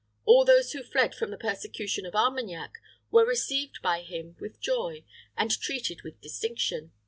All those who fled from the persecution of Armagnac were received by him with joy and treated with distinction.